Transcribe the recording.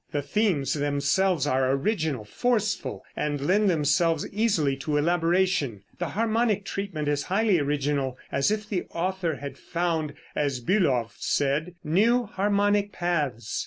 The themes themselves are original, forceful and lend themselves easily to elaboration. The harmonic treatment is highly original, as if the author had found, as Bülow said, "new harmonic paths."